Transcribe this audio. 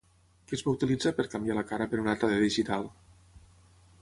Què es va utilitzar per canviar la cara per una altra de digital?